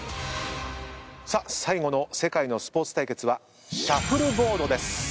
最後の世界のスポーツ対決はシャフルボードです。